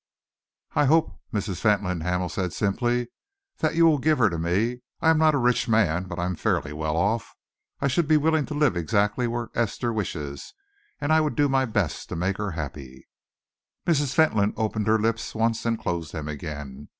"I hope, Mrs. Fentolin," Hamel said simply, "that you will give her to me. I am not a rich man, but I am fairly well off. I should be willing to live exactly where Esther wishes, and I would do my best to make her happy." Mrs. Fentolin opened her lips once and closed them again.